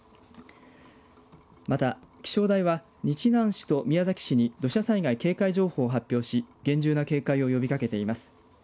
また、気象台は日南市と宮崎市に土砂災害警戒情報を発表し厳重な警戒を呼びかけています。